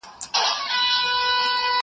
د جرگې به يو په لس پورته خندا سوه